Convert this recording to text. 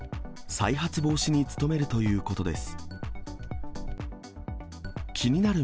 再発防止に努めるということです。